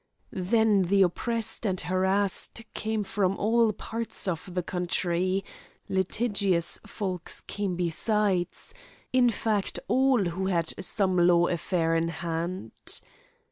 Then the oppressed and harassed came from all parts of the country; litigious folks came besides; in fact, all who had some law affair in hand.